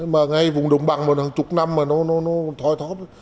mà ngay vùng đồng bằng mà hàng chục năm mà nó thoi thót